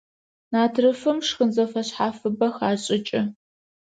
Натрыфым шхын зэфэшъхьафыбэ хашӀыкӀы.